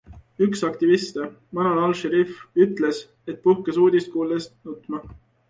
Üks aktiviste, Manal al-Sharif, ütles, et puhkes uudist kuuldes nutma.